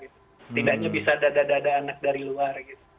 setidaknya bisa ada ada anak dari luar